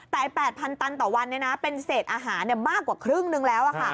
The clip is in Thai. แต่๘๐๐ตันต่อวันเป็นเศษอาหารมากกว่าครึ่งนึงแล้ว